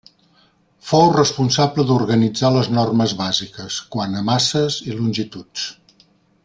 Fou responsable d'organitzar les normes bàsiques, quant a masses i longituds.